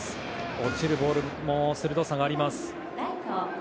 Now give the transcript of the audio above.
落ちるボールも鋭さがあります。